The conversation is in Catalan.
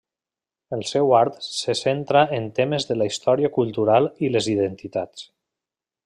El seu art se centra en temes de la història cultural i les identitats.